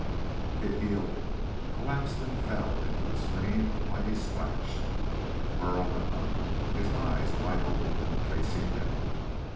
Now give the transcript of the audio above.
It yielded, collapsed, and fell into the stream with a mighty splash. Burl went under, his eyes wide open, facing death.